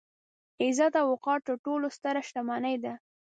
عزت او وقار تر ټولو ستره شتمني ده.